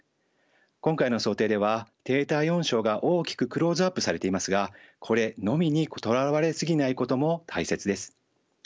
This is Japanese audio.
今回の想定では低体温症が大きくクローズアップされていますがこれのみにとらわれすぎないことも大切です。